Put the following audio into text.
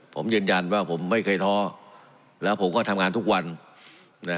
ผมยืนยันว่าผมไม่เคยท้อแล้วผมก็ทำงานทุกวันนะ